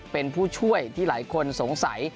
เป็นผู้ช่วยที่หลายคนสงสัย